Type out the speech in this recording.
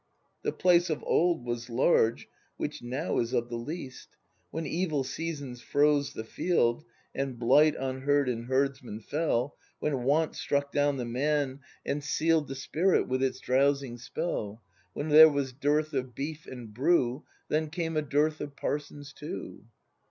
The place of old Was large, which now is of the least. When evil seasons froze the field, And blight on herd and herdsman fell. When want struck down the Man, and seal'd ACT II] BRAND 77 The Spirit with its drowsing spell, When there was dearth of beef and brew, — Then came a dearth of parsons too.